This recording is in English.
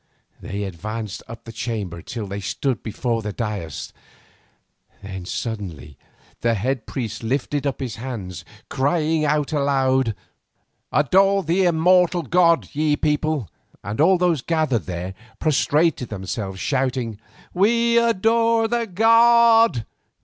They advanced up the chamber till they stood before the dais, then suddenly the head priest lifted up his hands, crying aloud: "Adore the immortal god, ye people," and all those gathered there prostrated themselves shouting: "We adore the god."